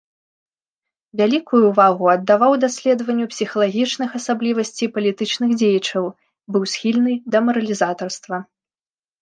Вялікую ўвагу аддаваў даследаванню псіхалагічных асаблівасцей палітычных дзеячаў, быў схільны да маралізатарства.